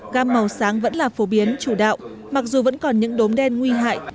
gam màu sáng vẫn là phổ biến chủ đạo mặc dù vẫn còn những đốm đen nguy hại